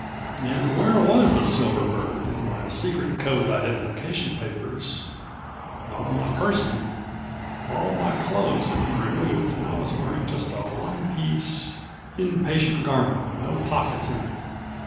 And where was the silver bird and my secret code identification papers? Not on my person. All of my clothes had been removed and I was wearing just a one piece, in patient garment with no pockets in it.